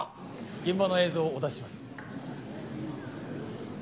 現場の映像をお出しします